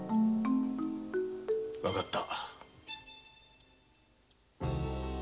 分かった。